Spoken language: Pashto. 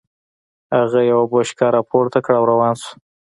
هغه يوه بوشکه را پورته کړه او روان شو.